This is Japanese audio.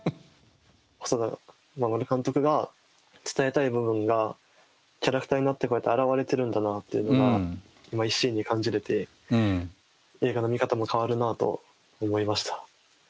細田守監督が伝えたい部分がキャラクターになってこうやって現れてるんだなっていうのが一心に感じれて映画の見方も変わるなと思いました。